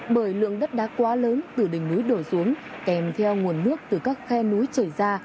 bởi lượng đất đá quá lớn từ đỉnh núi đổ xuống kèm theo nguồn nước từ các khe núi chảy ra